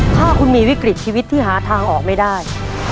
ถ้าคุณมีวิกฤตชีวิตที่หาทางออกไม่ได้